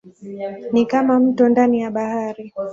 Ni kama mto ndani ya bahari.